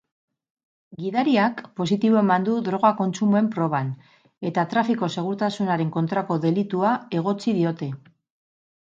Gidariak positibo eman du droga kontsumoen proban eta trafiko-segurtasunaren kontrako delitua egotzi diote.